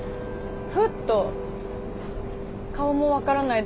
ふっと顔も分からない